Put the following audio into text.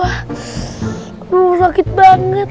aduh sakit banget